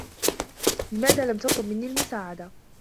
لماذا لم تطلب منّي المساعدة؟